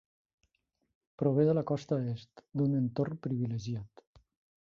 Prové de la costa est, d'un entorn privilegiat.